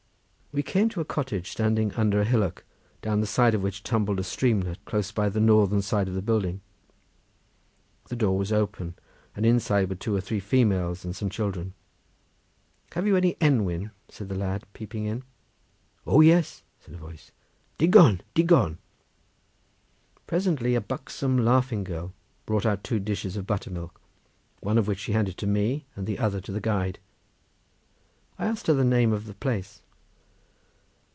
We came to a cottage standing under a hillock, down the side of which tumbled a streamlet close by the northern side of the building. The door was open, and inside were two or three females and some children. "Have you any enwyn?" said the lad, peeping in. "O yes!" said a voice—"digon! digon!" Presently a buxom laughing girl brought out two dishes of buttermilk, one of which she handed to me and the other to the guide. I asked her the name of the place.